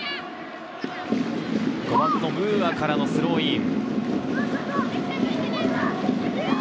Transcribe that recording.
５番・ムーアからのスローイン。